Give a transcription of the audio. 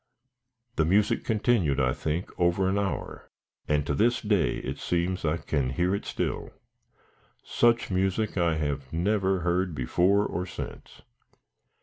The music continued, I think, over an hour, and to this day it seems I can hear it still. Such music I have never heard before or since.